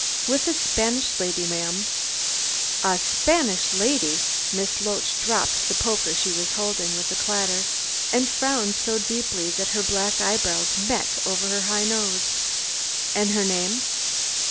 "With a Spanish lady, ma'am!" "A Spanish lady!" Miss Loach dropped the poker she was holding, with a clatter, and frowned so deeply that her black eyebrows met over her high nose. "And her name?"